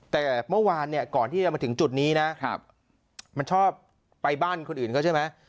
แต่เมื่อวานเนี่ยก่อนที่จะมาถึงจุดนี้นะมันชอบไปบ้านคนอื่นเขาใช่ไหม